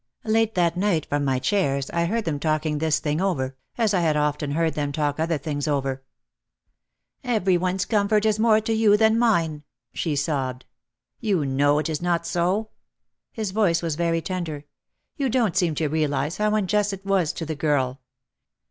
Late that night from my chairs I heard them talking this thing over, as I had often heard them talk other things over. 180 OUT OF THE SHADOW "Every one's comfort is more to you than mine," she sobbed. "You know it is not so." His voice was very tender. "You don't seem to realise how unjust it was to the girl.